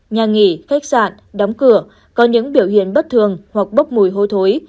nhà nghỉ khách sạn đóng cửa có những biểu hiện bất thường hoặc bốc mùi hôi thối